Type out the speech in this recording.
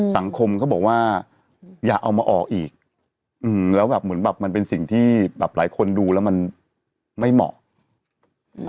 สังคมก็บอกว่าอย่าเอามาออกอีกอืมแล้วแบบเหมือนแบบมันเป็นสิ่งที่แบบหลายคนดูแล้วมันไม่เหมาะ